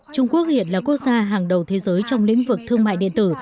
trung quốc hiện là quốc gia hàng đầu thế giới trong lĩnh vực thương mại điện tử